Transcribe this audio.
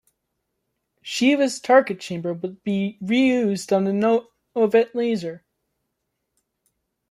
Shiva's target chamber would be reused on the Novette laser.